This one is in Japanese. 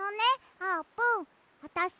あーぷんあたし